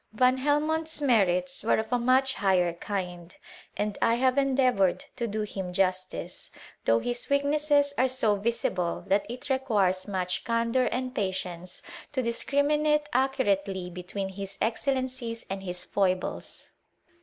Van Helmont*s merits were of a muc higher kind, and I have endeavoured to do him justice though his weaknesses are so visible that it require much candour and patience to discriminate accurate! between his excellencies and his foibles.